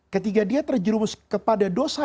ketika dia terjerumus kepada dosa